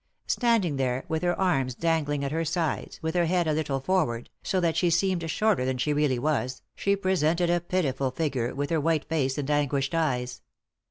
Standing there, with her arms dangling at her sides, with her head a little forward, so that she seemed shorter than she really was, she presented a pitiful figure, with ha white face and anguished eyes.